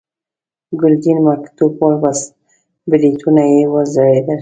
ګرګين مکتوب ولوست، برېتونه يې وځړېدل.